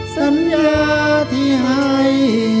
สัญญาที่ให้